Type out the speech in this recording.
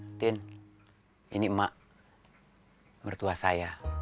titin ini mak mertua saya